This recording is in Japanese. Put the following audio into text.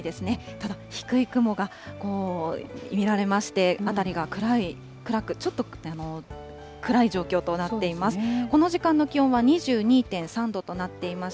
ただ、低い雲が見られまして、辺りがちょっと暗い状況となっています。